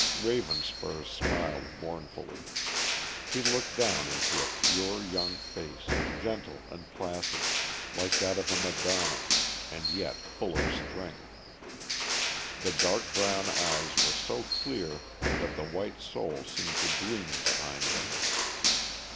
Ravenspur smiled mournfully. He looked down into a pure young face, gentle and placid, like that of a madonna, and yet full of strength. The dark brown eyes were so clear that the white soul seemed to gleam behind them.